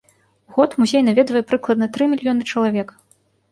У год музей наведвае прыкладна тры мільёна чалавек.